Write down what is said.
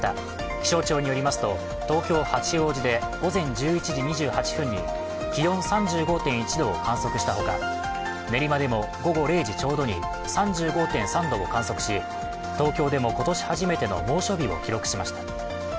気象庁によりますと東京・八王子で午前１１時２８分に気温３５．１度を観測したほか、練馬でも午後０時ちょうどに、３５．３度を観測し、東京でも今年初めての猛暑日を記録しました。